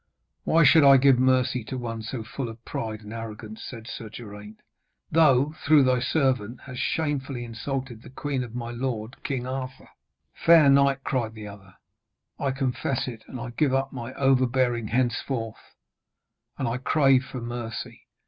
'Why should I give mercy to one so full of pride and arrogance?' said Sir Geraint. 'Thou, through thy servant, hast shamefully insulted the queen of my lord, King Arthur.' 'Fair knight,' cried the other, 'I confess it, and I give up my overbearing henceforth, and I crave for mercy.